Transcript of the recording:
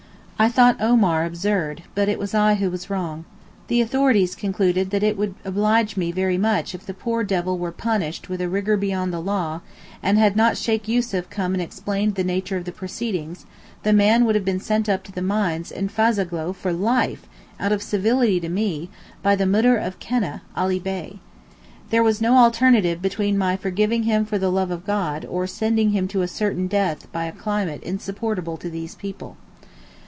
I thought Omar absurd, but it was I who was wrong. The authorities concluded that it would oblige me very much if the poor devil were punished with a 'rigour beyond the law,' and had not Sheykh Yussuf come and explained the nature of the proceedings, the man would have been sent up to the mines in Fazogloo for life, out of civility to me, by the Moudir of Keneh, Ali Bey. There was no alternative between my 'forgiving him for the love of God' or sending him to a certain death by a climate insupportable to these people.